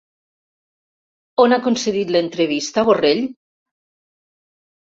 On ha concedit l'entrevista Borrell?